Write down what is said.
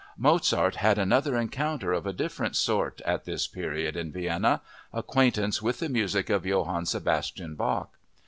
Mozart had another encounter of a different sort at this period in Vienna—acquaintance with the music of Johann Sebastian Bach.